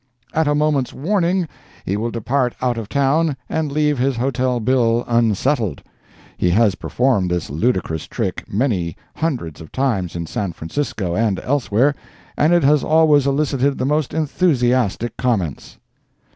"At a moment's warning he will depart out of town and leave his hotel bill unsettled. He has performed this ludicrous trick many hundreds of times in San Francisco and elsewhere, and it has always elicited the most enthusiastic comments.